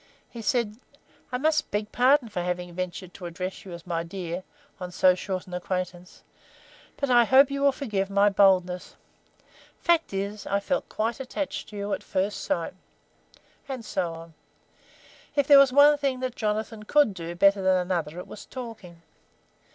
He said: "I must beg pardon for having ventured to address you as 'my dear,' on so short an acquaintance, but I hope you will forgive my boldness. Fact is, I felt quite attached to you at first sight.' And so on. If there was one thing that Jonathan could do better than another it was talking.